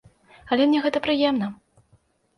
Але мне гэта прыемна.